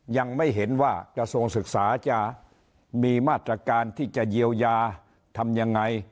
ยังไม่เห็นว่ากระทรวงศึกษาจะมีมาตรการที่จะเยียวยาทำยังไง